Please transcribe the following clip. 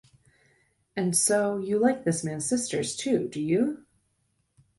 And so you like this man's sisters, too, do you?